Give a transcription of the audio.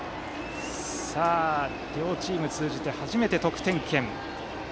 両チーム通じて初めて得点圏。